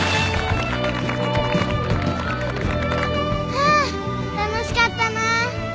はあ楽しかったなあ。